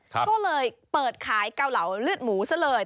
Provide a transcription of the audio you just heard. ก็เลยเปิดขายเกาเหลาเลือดหมูซะเลย